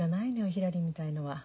ひらりみたいのは。